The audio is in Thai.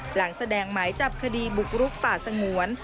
หลังแสดงหมายจับคดีบุกรุกป่าสงวน